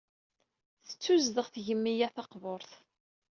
Tettuzdeɣ tgemmi-ad taqburt.